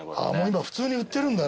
今普通に売ってるんだね。